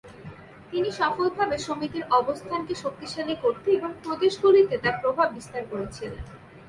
তিনি সফলভাবে সমিতির অবস্থানকে শক্তিশালী করতে এবং প্রদেশগুলিতে তার প্রভাব বিস্তার করেছিলেন।